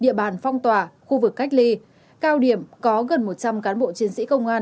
địa bàn phong tỏa khu vực cách ly cao điểm có gần một trăm linh cán bộ chiến sĩ công an